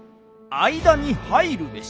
間に入るべし」。